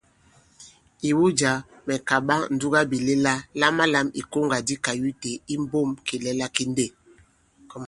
Ìwu jǎ, mɛ̀ kàɓa ǹdugabìlɛla, lamalam ìkoŋgà di kayute i mbǒm kìlɛla ki ndê.